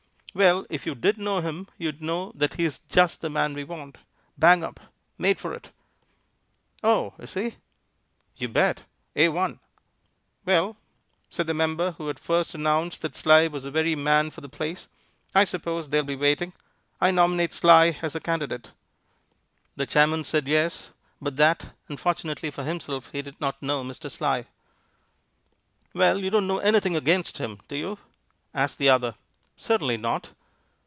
"Well, if you did know him, you'd know that he's just the man we want; bang up; made for it." "Oh, is he?" "You bet A1." "Well," said the member who had first announced that Sly was the very man for the place, "I suppose they'll be waiting. I nominate Sly as the candidate." The chairman said yes, but that, unfortunately for himself, he did not know Mr. Sly. "Well, you don't know anything against him, do you?" asked the other. "Certainly not."